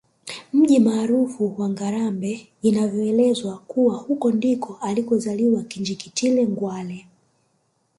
Mji maarufu wa Ngarambe inavyoelezwa kuwa huko ndiko alikozaliwa Kinjeketile Ngwale